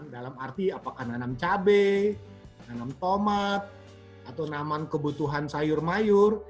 dalam arti apakah nanam cabai nanam tomat atau nanam kebutuhan sayur mayur